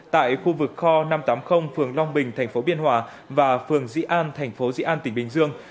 tại khu vực kho năm trăm tám mươi phường long bình thành phố biên hòa và phường dĩ an thành phố dị an tỉnh bình dương